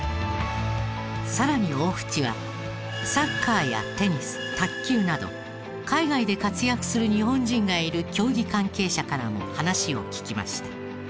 さらに大渕はサッカーやテニス卓球など海外で活躍する日本人がいる競技関係者からも話を聞きました。